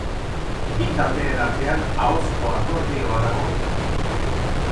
Bi taldeen artean ahozko akordioa dago.